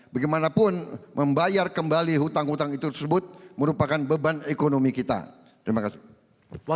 bagaimanapun membayar kembali hutang hutang itu tersebut merupakan beban ekonomi kita terima kasih